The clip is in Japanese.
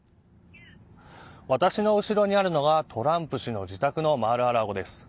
私の後ろにあるのはトランプ氏の自宅のマール・ア・ラゴです。